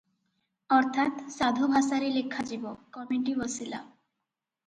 ଅର୍ଥାତ୍ ସାଧୁ ଭାଷାରେ ଲେଖା ଯିବ, କମିଟି ବସିଲା ।